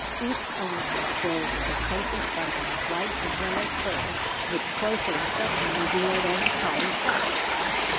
Each arm was filled with a shapeless bundle of white and yellow fur which closer inspection revealed as the collie pups.